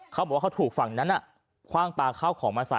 เขาบอกว่าเขาถูกฝั่งนั้นคว่างปลาข้าวของมาใส่